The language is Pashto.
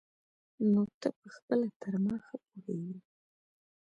نو ته پخپله تر ما ښه پوهېږي.